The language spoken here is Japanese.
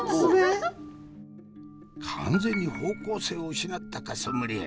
完全に方向性を失ったかソムリエ。